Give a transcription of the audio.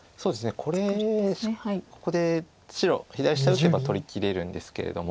これここで白左下打てば取りきれるんですけれども。